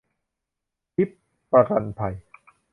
ทิพยประกันภัย